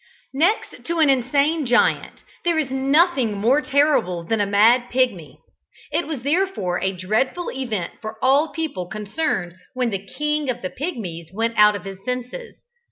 Next to an insane Giant there is nothing more terrible than a mad Pigmy. It was therefore a dreadful event for all people concerned when the King of the Pigmies went out of his senses.